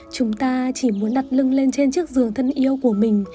chúng ta chỉ muốn đặt lưng lên trên chiếc giường thân yêu của mình